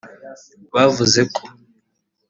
bavuze ko